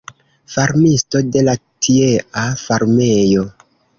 Farmisto de la tiea farmejo.